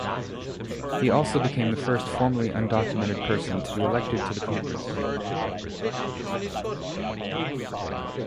He also became the first formerly undocumented person to be elected to the Congress.